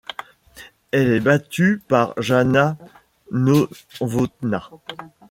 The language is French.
Elle est battue par Jana Novotná.